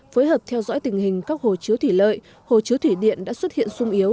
phối hợp theo dõi tình hình các hồ chứa thủy lợi hồ chứa thủy điện đã xuất hiện sung yếu